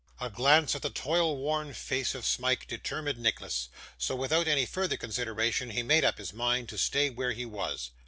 A glance at the toil worn face of Smike determined Nicholas, so without any further consideration he made up his mind to stay where he was.